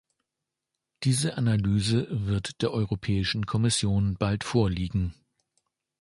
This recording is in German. Diese Analyse wird der Europäischen Kommission bald vorliegen.